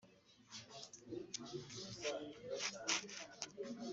ingufu tuzabona ko iyo gahunda yakurikijwe yose uko yakabaye